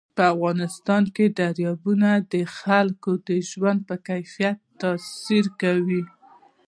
په افغانستان کې دریابونه د خلکو د ژوند په کیفیت تاثیر کوي.